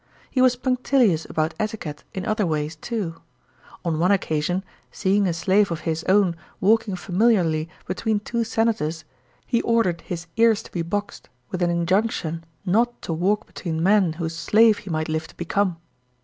He was punctilious about etiquette in other ways too. On one occasion, seeing a slave of his own walking familiarly between two senators, he ordered his ears to be boxed, with an iojunction not to walk between men whose slave he mi^ht live to become.